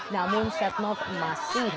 namun setnov masih dikuburkan